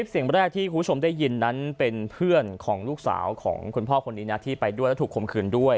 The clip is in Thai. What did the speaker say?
คลิปแรกที่ถูกชมได้ยินนั้นเป็นเพื่อนของลูกสาวของคุณ่พ่อคนนี้นะที่ไปด้วยกลุ่มคืนด้วย